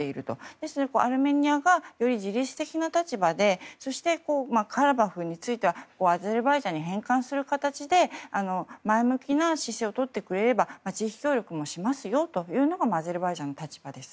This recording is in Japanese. ですのでアルメニアがより自立的な立場でそして、カラバフについてはアゼルバイジャンに返還する形で前向きな姿勢を取ってくれれば協力もしますよというのがアゼルバイジャンの立場です。